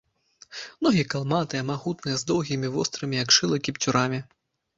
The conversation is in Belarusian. Ногі калматыя, магутныя, з доўгімі, вострымі, як шылы, кіпцюрамі.